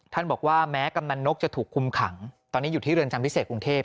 บอกว่าแม้กำนันนกจะถูกคุมขังตอนนี้อยู่ที่เรือนจำพิเศษกรุงเทพ